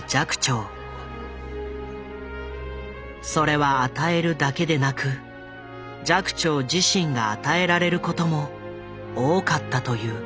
それは与えるだけでなく寂聴自身が与えられることも多かったという。